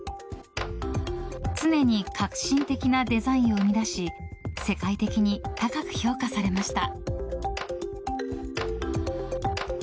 常に革新的なデザインを生み出し世界的に高く評価されました。